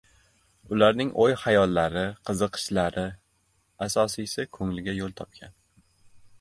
ularning o‘y-xayollari, qiziqishlari, asosiysi, ko‘ngliga yo‘l topgan.